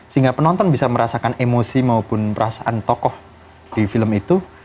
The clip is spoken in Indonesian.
sehingga penonton bisa merasakan emosi maupun perasaan tokoh di film itu